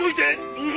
うん！